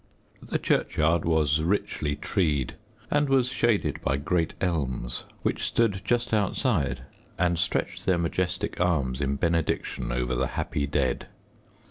The churchyard was richly treed, and was shaded by great elms which stood just outside and stretched their majestic arms in benediction over the happy dead.